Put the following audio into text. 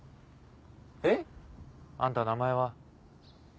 えっ？あんた名前は？